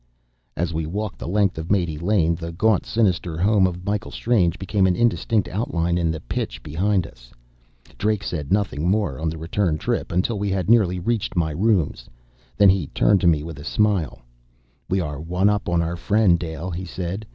As we walked the length of Mate Lane, the gaunt, sinister home of Michael Strange became an indistinct outline in the pitch behind us. Drake said nothing more on the return trip, until we had nearly reached my rooms. Then he turned to me with a smile. "We are one up on our friend, Dale," he said.